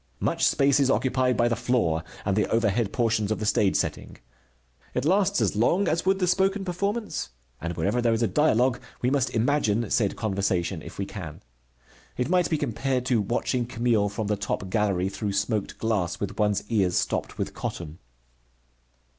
Much space is occupied by the floor and the overhead portions of the stage setting. It lasts as long as would the spoken performance, and wherever there is a dialogue we must imagine said conversation if we can. It might be compared to watching Camille from the top gallery through smoked glass, with one's ears stopped with cotton.